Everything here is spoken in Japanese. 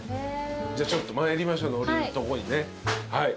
じゃあちょっと参りましょう海苔のとこにね。